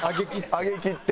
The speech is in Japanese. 上げきって？